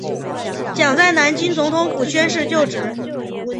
蒋在南京总统府宣誓就职。